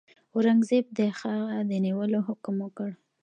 اورنګزېب د هغه د نیولو حکم وکړ.